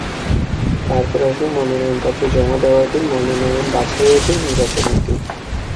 তারপর আসবে মনোনয়নপত্র জমা দেওয়ার দিন, মনোনয়ন বাছাইয়ের দিন, নির্বাচনের দিন।